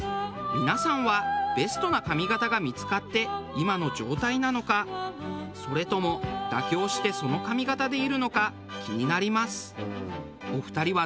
皆さんはベストな髪形が見つかって今の状態なのかそれとも妥協してその髪形でいるのか気になります。